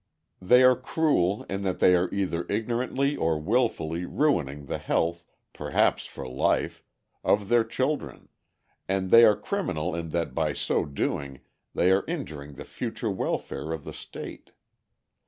They are cruel in that they are either ignorantly or wilfully ruining the health, perhaps for life, of their children, and they are criminal in that by so doing they are injuring the future welfare of the state.